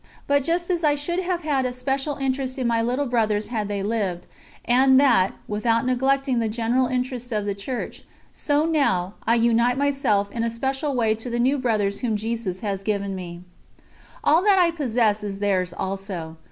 But just as I should have had a special interest in my little brothers had they lived, and that, without neglecting the general interests of the Church, so now, I unite myself in a special way to the new brothers whom Jesus has given me. All that I possess is theirs also.